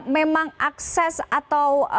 memang akses atau